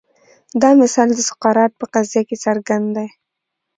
دا مثال د سقراط په قضیه کې څرګند دی.